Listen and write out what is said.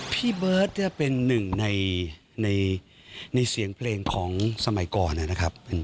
พี่เบิร์ตจะเป็นหนึ่งในเสียงเพลงของสมัยก่อนนะครับ